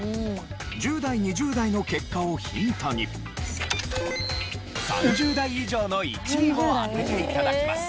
１０代２０代の結果をヒントに３０代以上の１位を当てて頂きます。